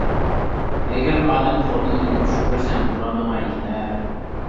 ئەگەر ئادەم خوتۇن ئېلىپ چۈش كۆرسە، مۇرادىغا يېتەر.